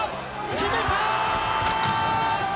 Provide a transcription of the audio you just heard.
決めた！